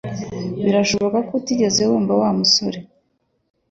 Birashoboka ko utigeze wumva Wa musore